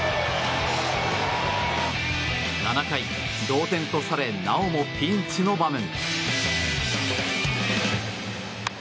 ７回、同点とされなおもピンチの場面。